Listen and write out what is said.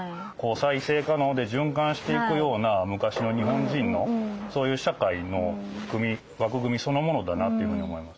再生可能で循環していくような昔の日本人のそういう社会の枠組みそのものだなというふうに思います。